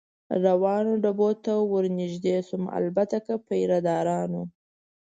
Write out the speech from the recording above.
روانو ډبو ته ور نږدې شوم، البته که پیره دارانو.